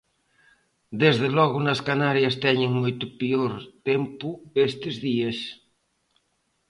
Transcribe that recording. Desde logo nas Canarias teñen moito peor tempo estes días.